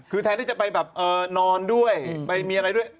คือแทนที่จะไปแบบนอนด้วยไปมีอะไรด้วย